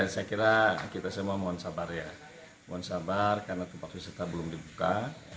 saya kira kita semua mohon sabar ya mohon sabar karena tempat wisata belum dibuka